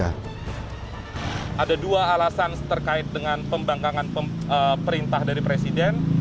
ada dua alasan terkait dengan pembangkangan perintah dari presiden